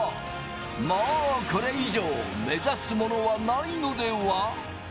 もうこれ以上、目指すものはないのでは？